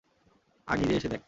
আয় নিজেই এসে দেখ!